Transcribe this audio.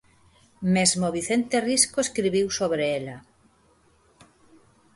Mesmo Vicente Risco escribiu sobre ela.